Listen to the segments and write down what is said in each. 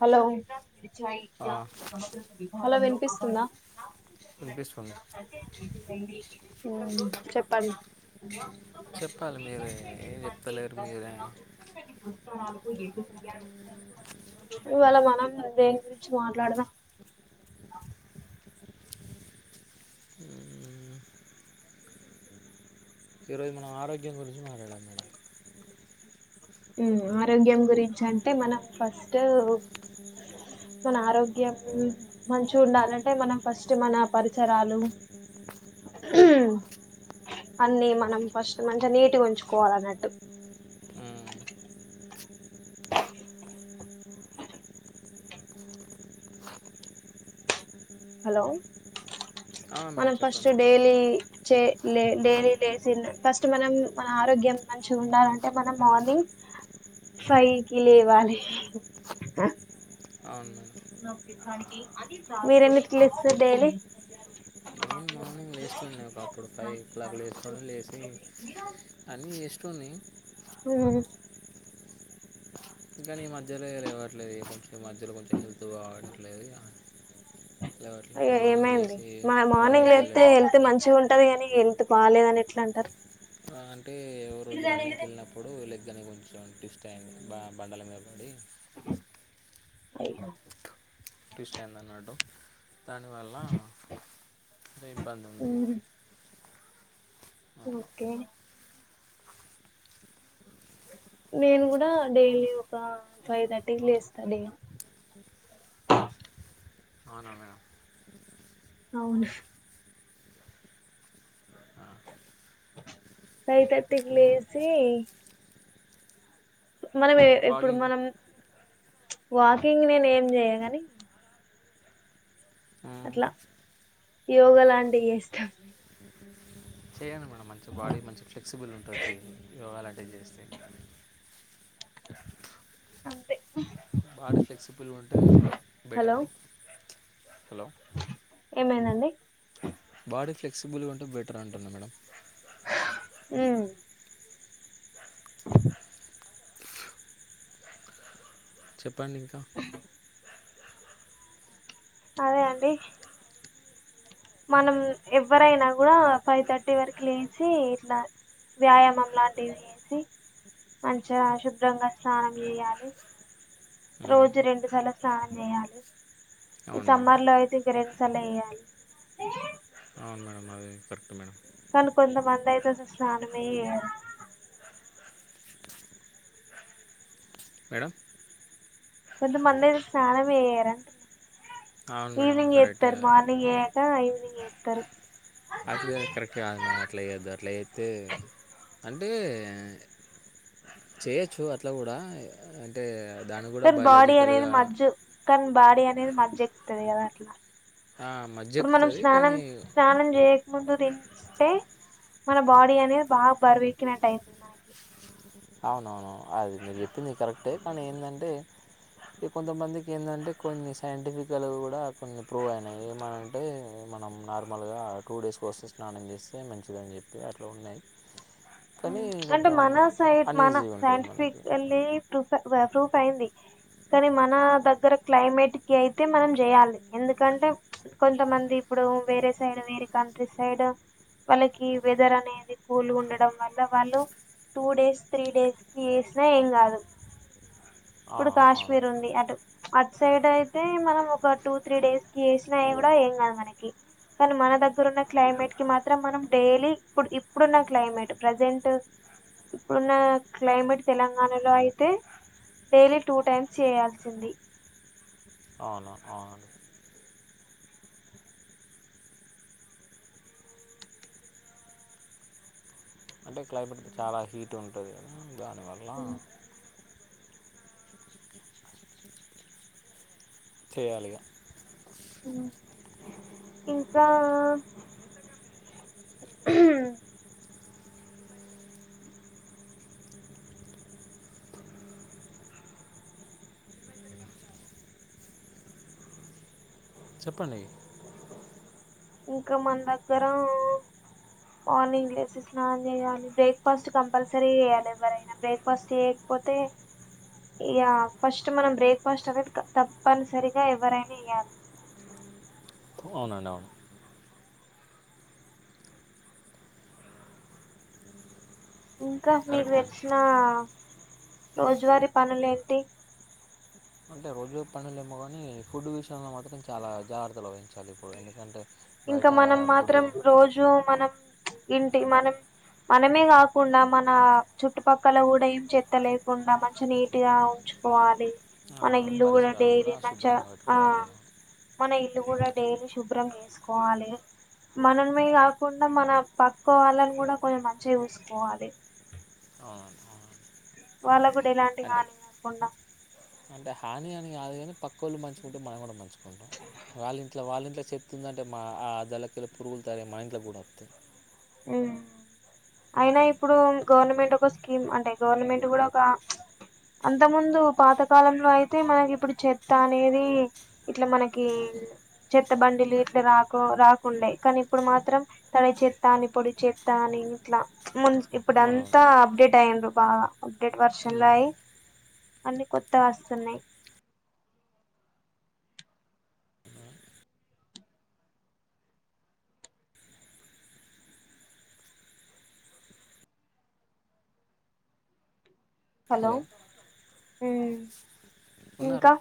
Hello చ ఆ, వి బలవ పిస్తుందా వినిపిస్తుంది మ్ చెప్పం చెప్పాలి మీరే ఏం చెప్తలేరు మీరే ఎ ఇవాళ మనం దేని గురించి మాట్లాడదాం మ్మ్. ఈరోజు మనం ఆరోగ్యం గురించి మాట్లాడాలి మేడం ఉం ఆరోగ్యం గురిం చంటే మనం ఫస్ట్ మన ఆరోగ్యం మంచిగుండాలంటే మనం ఫస్ట్ మన పరిసరాలు అన్ని మనం ఫస్ట్ మంచిగ నీట్గ్ ఉంచుకోవాలి అన్నట్టు మ్మ్. హలో ఆ, మేడం మనం ఫస్ట్ చెప్పండి డైలీ చె లే డైలీ లేచ ఫస్ట్ మనం మన ఆరోగ్యం మంచి ఉండాలంటే మనం మార్నింగ్ ఫైవ్ కి లేవాలి అవును మేడం ప్పునకిిఠాంనికి మీర ఎన్నిట్కు లేస్తరు డైలీ లేస్టోన్ని ఒకప్పుడు ఫైవ్ ఓ క్లాక్ లేస్టోన్ని లేసి అన్ని ఏస్టోన్ని ఆ కనీ ఈ మధ్యలో ఇవ్వట్లేదు కొంచెం ఈ మధ్యలో కొంచెం హెల్త్ బావొట్లేదు లేవట్లె అయ్యో మార్నింగ్ లే ఏమైంది వసి మా మార్నింగ్ రన్నింగ్కి లేతే వెళ్ళట్లె హెల్త్ మంచిగా ఉంటది కాని హెల్త్ బాలేదని ఎట్లంటారు అ అ ఎవ రోజు రన్నింగ్ కెళ్ళినప్పుడు ల కానీ కొంచెం టిఫ్ టై బా బండల మీదపడి అయ్యొ ట్యూస్టైయిందన్నట్టు దానివల్ల ఇబ్బంది ఉందిగ ఓకే నేను గుడా డైలీ ఒక ఫైవ్ థర్టీకి లేస్తండిగ అవునా మేడం అవునా ఫైతర్టికి లేసి మనం ఎ ఇప్పుడు వాకింగ్ మనం వాకింగ్ నేన్ ఏం చెయగాని అట్ల యోగ లాంటివి చేస్త చేయండి మేడం మంచి బాడీ మంచి ఫ్లెక్సిబుల్ ఉంటుంది యొగాలాంటి వి చేస్తె అంతే బాడీ ఫ్లెక్సిబుల్ ఉంటే హలో బెటరు హలో ఏమైందండి బాడీ ఫ్లెక్సిబుల్గా ఉంటే బెటర్ అంటున్నా మేడం ఉ చెప్పండి ఇంకా అదే అండి మనం ఎవ్వరైనా కూడా ఫైవ్ థర్టీ వరకు లేచి ఇట్లా వ్యాయామం లాంటివి చేసి మంచిగా శుభ్రంగా స్నానం చేయాలే మ్మ్. రోజు రెండు సార్లు స్నానం చేయాలి ఈ అవును మేడం సమ్మర్ లో అయితే ఇంక రెండు సార్లు చేయాలి కరక్ట్ మేడం కానీ కొంతమంది అయితే అసలు స్నానమే చేయరు మేడం కొంతమంది అయితే స్నానం చేయ్యరంటున్నా అవును మేడం ఈవనింగ్ కరెక్ట్ చేతారు మార్నింగ్ ఏయాక ఈవనింగ్ ఏతరూ అది అది కరెక్ట్ కాదు మేడం అట్లా ఏయ్యద్దు అట్లా ఏతే అంటే చేయచ్చు అట్లా కూడా అంటే దాన్ని కూడా సార్ బాడీ అనేది బయలాజికల్‌గా మజు కనీ బాడీ అన్ మజ్జ్ ఎక్కుతాది కదా అట్లా ఆ మజ్జ ఎకుతుంది కానీ ముందు తింటే మన బాడీ అనేది బాగా బరువెక్కినట్టు అయితుంది నాకి అవునవును అది మీరు చెప్పింది కరెక్టే కానీ ఏంటంటే ఇ కొంతమందికి ఏంటంటే కొన్ని సైంటిఫికలు కూడా కొన్ని ప్రూవ్ అయినాయి ఏమని అంటే మనం నార్మల్గా టూ డేస్ కోస్తే స్నానం చేస్తే మంచిదని చెప్పి అట్లా ఉన్నాయి తని అంటే కొంచంచం మన సైడ్ మన సైంటిఫిక్ అ ప్రూఫ ప్రూఫ్ అయింది కానీ మన దగ్గర క్లైమేట్ కి అయితే మనం చేయాలి ఎందుకంటే కొంత మంది ఇప్పుడు వేరే సైడ్ వేరే కంట్రీ సైడ్ వాళ్ళకి వెదర్ అనేది కూల్ ఉండడం ఇ వాళ్ళు టూ డేస్ త్రీ డేస్ కి వేసినా ఏం కాదు ఆ! ఇప్పుడు అవును. కాశ్మీర్ ఉంది అటు అట్ సైడ్ అయితే మనం ఒక టూ త్రీ డేస్ కి వేసినా కూడా ఏం కదు మనకి కానీ మన దగ్గర ఉన్న క్లైమేట్ కి మాత్రం మనం డైలీ ఇప్పుడు ఇప్పుడున్న క్లైమేట్ ప్రజెంట్ ఇప్పుడున్న క్లైమేట్ తెలంగాణలో అయితే డైలీ టూ టైమ్స్ చేయాల్సింది అవునా అవును అంటే క్లైమేట్ చాలా హీట్ ఉంటుదిద దాని వాళ్ళ చేయాలిగా ఇంకా హ్మ్ చెప్పండి ఇంకా మన దగ్గర మార్నింగ్ లేసి స్నాన్ చేయాలి బ్రేక్ఫాస్ట్ కంపల్సరీ చేయాలి ఎవరైనా బ్రేక్ఫాస్ట్ చేయకపోతే ఇ ఫస్ట్ మనం బ్రేక్ఫాస్ట్ అనేది తప్పనిసరిగా ఎవరైనా వయాలి అవునువను ఇంకా మీకు కరెక్ట్ అండి తెచ్చిన రోజువారీ పనులేంటి అంటే రోజు పనులు ఏమో కానీ ఫుడ్ విషయంలో మాత్రం చాలా జాగ్రత్తలు వహిం చాలి ఇప్పుడు ఎందుకంటే ఇంకా బయట మనం ఫుడ్ మాత్రం రోజు మనం ఇంటి మనం మనమే గాకుండా మన చుట్టుపక్కల గూడా ఏం చెత్త లేకుండా మంచి నీట్ గా ఉంచుకోవాలి మన ఇల్లు గూడా పరిసరాలు డైలీ కూడా మంచిగా శుభ్రంగా ఆ పెట్టుకోవాలి అవును మన ఇల్ డైలీ శుభ్రం జేసుకోవాలే మనమే గాకుండా మన పక్క వాళ్ళని గూడా కొంచెం మంచిగా జూసుకోవాలె అవునండి అవునండి వాళ్ళ గూడా ఎలాంటి అంటే హానీ గాకుండా అంటే హాని అని గాదు గానీ పక్క వాళ్ళు మంచుకుంటే మనం కూడా మంచుకుంటాం వాళ్ళ ఇంట్లో వాళ్ళ ఇంట్లో చెప్తుందింటే మా ఆ దలకిళ్ళ పురుగులు తయ మన ఇంట్లో కూడా వతాయి ఉ అయినా ఇప్పుడు గవర్నమెంట్ ఒక స్కీమ్ అంటే గవర్నమెంట్ కూడా ఒక అంత ముందు పాతకాలంలో అయితే మనకి ఇప్పుడు చెత్త అనేది ఇట్లా మనకి చెత్త బండిలు ఇట్లా రాకు రాకుండే కానీ ఇప్పుడు మాత్రం తడ చె త్తాని పొడి చేత్త అని ఇంట్లా ము ఇప్పుడు అవునవును అంతా అప్డేట్ అయి్యండ్రు బాగా అప్డేట్ వర్షన్ లో ఉమ్. అయి అన్ని కొత్తగా వస్తున్నాయి్ హలో ఉ ఉన్నారా ఇంకా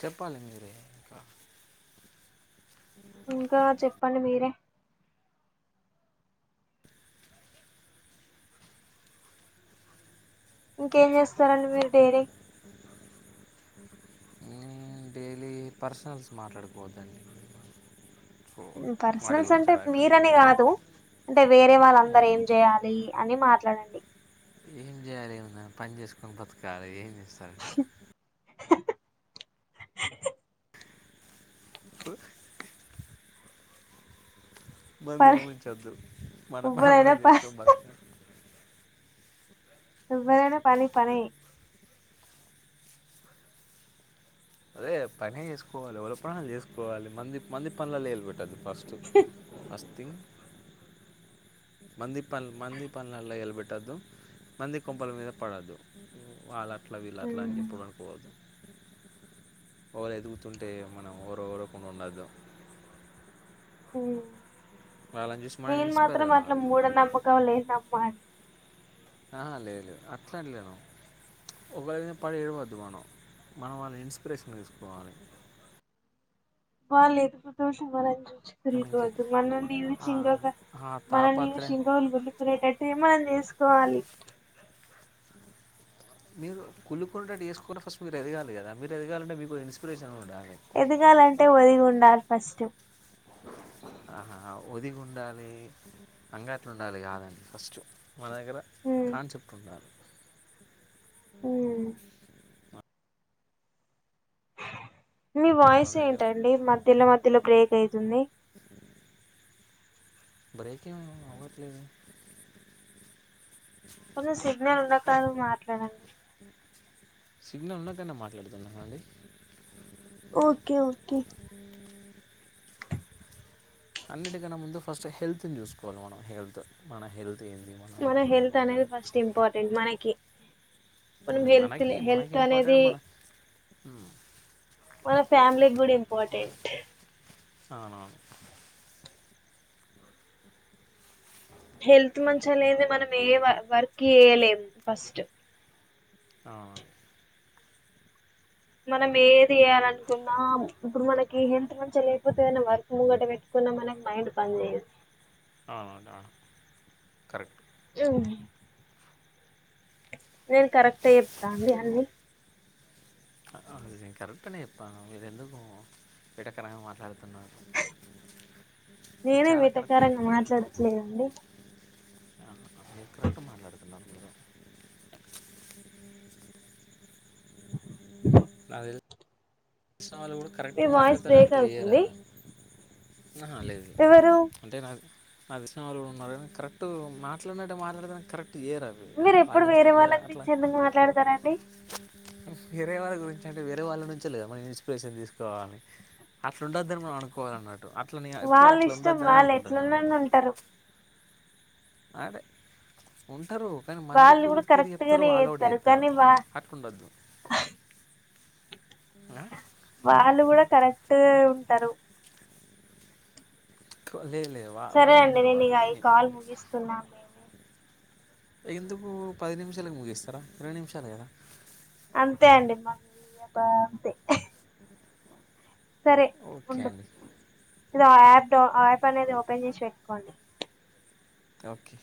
చెప్పాలి మీరే ఇంకా ఇంకా చెప్పండి మీరే ఇంకేం జేస్తారండి మీరు డైరీ డైలీ పర్సనల్స్ మాట్లాడుకోవద్ద పర్సనల్స్ అంటే మీరని గాదు అంటే వేరే వాళ్ళందర ఏం చేయాలి అని మాట్లాడండి ఏం జేయాలి ఏమన్నా పని జేసుకుని బతకాలి ఏం చేస్తాలి సరే ప మందుని ముంచొద్దు మన పని ఎవ్వరైనా మనం జేసుకోని ప బతు ఎవ్వరనా పని పని అదే పనే జేసుకోవాలి ఎవల పనాలు జేసుకోవాలి మంది మంది పనుల ఏళ పెట్టద్దు ఫస్టు అ ంగ్ మంది పల్ మంది పన్లల్లా ఇల్బెట్ ట్ట మంది కొంపల మీద పడద్దు వాళ్ళ అట్లా వీళ్ళ అలాని చెప్పుడు అనుకోవద్దు ఎవరు ఎదుగుతుంటే మనం వరు రకుండా ఉండదు పోవు చూసి మనం నేను ఇన్స్పైర్ మాత్రం అట్లా కావాలి మూఢ నమ్మకం లే నమ్మకం పాట్ ఆ లేదులేదు అట్లాంటి లే ఒకవ పడేయవద్దు మనం మనం వాళ్ళని ఇన్స్పిరేషన్ తీసుకోవాలి వాళ్లు ఇంకొక విషయంలో ఐనా కానీ ఇంకెక్- లుకోవద్దు మనల్ ఆ- నీవుంకో ఆ మనల్ నీవు తాపత్రయం సింకోలు ఉలుకునేటట్టటు మనం చే సుకోవాలి మీరు కులుకుంటేటుేసుకుొ ఫస్ట్ మీరు ఎదగాలి కదా మీరు ఎదగాలింటే మీకు ఇన్స్పిరేషన్గా ఉండాలి ఎదగాలంటే ఒదిగి ఉండాలి ఫస్ట్ ఆహా ఒదిగి ఉండాలి అంగట్లు ఉండాలి కాదండి ఫస్ట్ మాన దగ్గర కాన్సెప్ట్ ఉండాలి అ మీ వాయిస్ మన దగ్గర ఏంటండి మధ్యలో మధ్యలో బ్రేక్ అయితుంది బ్రేక్ేమో అవ్వట్లేదు కొన్ని సిగ్నల్ ఉండ కాదు మాట్లాడండి సిగ్నల్ ఉన్నకనా మాట్లాడుతున్నా అండి ఓకే ఓకే ఆ అన్నిటికన్నా ముందు ఫస్ట్ హెల్త్ని చూసుకోవాలి మనం హెల్త్ మన హెల్త్ ఏంది మనం మన ఎట్లున్నాం హెల్త్ అనేది ఏందని ఫస్ట్ ఇంపార్టెంట్ మనకి మనం మ్, హెల్త్ హెల్త్ అనేది అ మన ఫ్యామిలీ కూడా ఇంపార్టెంట్ అవునవును హెల్త్ మంచి అ లేది మనం ఏ వర్క్ చేయలేము ఫస్ట్ అవును మనం ఏది చేయాలనుకున్నా ఇప్పుడు మనకి ఎంత మంచిో లేకపోతే ఏదైనా వర్క్ ముంగట పెట్టుకున్నా మనకి మైండ్ బంద్ చేయ్యంది అవునట కరెక్ట్ అ నేను కరెక్ట్ చెప్తా అండి అన్నీ అ కరెక్నే ఇప్ప ఇది ఎందుకు విడకరంగా మాట్లాడ మీరు నేనే మీ చాలా కరెక్ట్ ప్రకారంగా మాట్లాడలేదండి అ కరక్ట్ మాట్లాెడుతుం అ వాళ్ళు కూడా మీ కరెక్ట్గా వాయిస్ మాట్లాడతార బ్రేక్ అవుతుంది చేయరారు లేదు ఎవరు అంతే నాకు అదిష్ట వాళు కూడా ఉన్నారు కానీ కరెక్ట్ మాట్లాడినట్టే మాట్లాడతే కరెక్ట్ చేయరు అవి అన్నీ మీరు ఎప్పుడు పాటించరు వేరే మీరు వాళ్ళ అట్లా గురించి ఎందుకు మాట్లాడతారండి వేరే వాళ్ళ గురించి అంటే వేరే వాళ్ళ నుంచే మనం ఇన్స్పిరేషన్ తీసుకోవాలి అట్లా ఉండొద్దని మనం అనుకోవాల అన్నట్టు వాళ్ళ ఇష్టం వాళ్ళు ఎట్లన్నాని ఉంటారు ఆడే ఉంటారు కానీ వాళ్ళు మందికి కూడా ఒక తిరిగి కరెక్ట్ చెప్తారు గానే వాళ్ళవాడ చేస్తారు కానీ వా అటు ఉండద్దు ఆ వాళ్ళు కూడా కరెక్ట్ ఉంటారు లేదు లేదు వా- సరే వాళ్ళు అండి ఉండరు నేను వాళ్ళు ఇక అవి కాల్ అంటే ముగిస్తున్నాను నేను ఎందుకు పది నిమిషాలకు ముగిస్తారా రెండు నిమిషాలు కదా అంతే అండి మమ్మీ అబా అంతే సరే ఉండ ఓకే అండి ఇది ఆ యాప్ యాప్ అనేది ఓపెన్ చేసి పెట్టుకోండి ఓకే